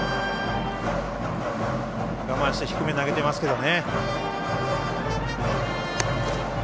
我慢して低めに投げてますけどね。